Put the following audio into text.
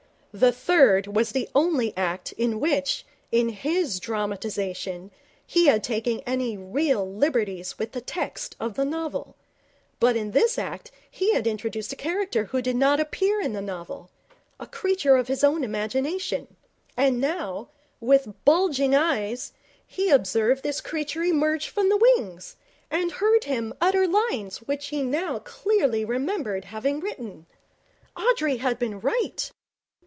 The third was the only act in which, in his dramatization, he had taken any real liberties with the text of the novel. But in this act he had introduced a character who did not appear in the novel a creature of his own imagination. And now, with bulging eyes, he observed this creature emerge from the wings, and heard him utter lines which he now clearly remembered having written. Audrey had been right!